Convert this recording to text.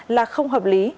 là không hợp lý